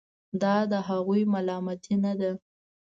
دا د هغوی ملامتي نه ده.